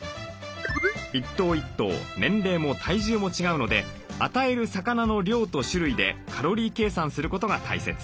１頭１頭年齢も体重も違うので与える魚の量と種類でカロリー計算することが大切。